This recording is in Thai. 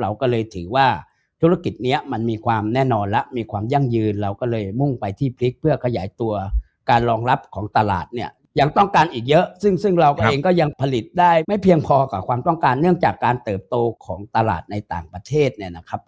เราก็เลยถือว่าธุรกิจนี้มันมีความแน่นอนและมีความยั่งยืนเราก็เลยมุ่งไปที่พริกเพื่อขยายตัวการรองรับของตลาดเนี่ยยังต้องการอีกเยอะซึ่งซึ่งเราเองก็ยังผลิตได้ไม่เพียงพอกับความต้องการเนื่องจากการเติบโตของตลาดในต่างประเทศเนี่ยนะครับ